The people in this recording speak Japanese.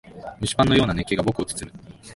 蒸しパンのような熱気が僕を包む。